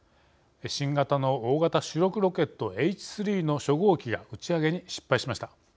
新型の大型主力ロケットＨ３の初号機が打ち上げに失敗しました。